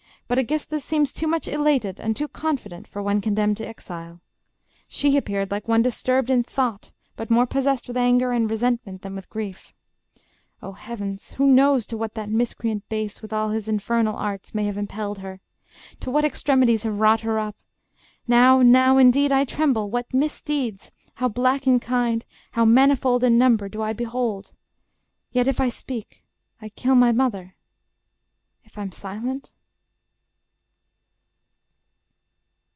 But Aegisthus seems Too much elated, and too confident, For one condemned to exile ... She appeared Like one disturbed in thought, but more possessed With anger and resentment than with grief ... O Heavens! who knows to what that miscreant base, With his infernal arts, may have impelled her! To what extremities have wrought her up!... Now, now, indeed, I tremble: what misdeeds, How black in kind, how manifold in number, Do I behold! ... Yet, if I speak, I kill My mother: ... If I'm silent